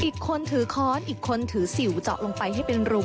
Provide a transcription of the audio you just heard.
อีกคนถือค้อนอีกคนถือสิวเจาะลงไปให้เป็นรู